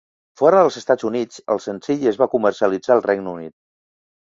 Fora dels Estats Units, el senzill es va comercialitzar al Regne Unit.